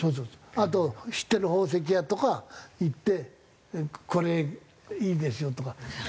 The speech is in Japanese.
あと知ってる宝石屋とか行って「これいいですよ」とか。